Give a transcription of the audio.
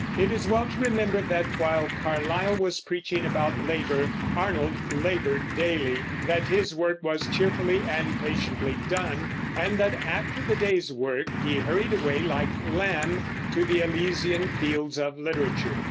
It is well to remember that, while Carlyle was preaching about labor, Arnold labored daily; that his work was cheerfully and patiently done; and that after the day's work he hurried away, like Lamb, to the Elysian fields of literature.